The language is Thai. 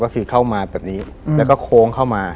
ก็คือเข้ามาแบบนี้แล้วก็โค้งเข้ามา